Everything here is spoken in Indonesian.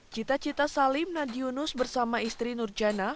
cita cita salim nadiunus bersama istri nurjana